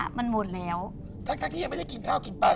เห้ย